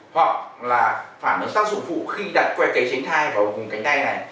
hoặc là phản ứng tác dụng phụ khi đặt que cầy tránh thai vào vùng cánh tay này